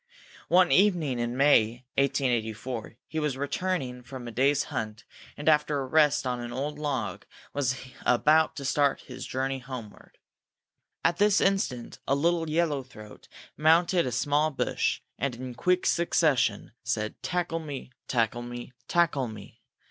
One evening in May, 1884, he was returning from a day's hunt, and, after a rest on an old log, he was about to start on his journey homeward. At this instant a little yellow throat mounted a small bush and, in quick succession, said: _Tackle me! tackle me! tackle me!